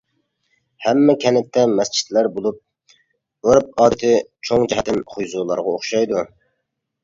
ھەممە كەنتتە مەسچىتلەر بولۇپ، ئۆرپ-ئادىتى چوڭ جەھەتتىن خۇيزۇلارغا ئوخشايدۇ.